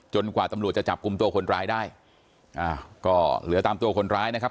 กว่าตำรวจจะจับกลุ่มตัวคนร้ายได้อ่าก็เหลือตามตัวคนร้ายนะครับ